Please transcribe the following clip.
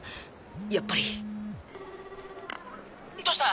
やっぱりどうした？